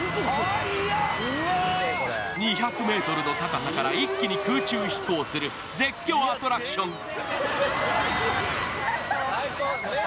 ２００ｍの高さから一気に空中飛行する絶叫アトラクション。